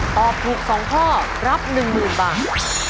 ตอบถูกสองข้อรับหนึ่งหมื่นบาท